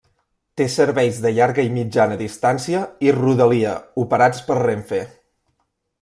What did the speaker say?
Té serveis de llarga i mitjana distància i rodalia operats per Renfe.